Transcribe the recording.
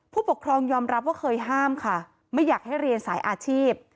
ผู้ปกครองยอมรับว่าเคยห้ามค่ะไม่อยากให้เรียนสายอาชีพ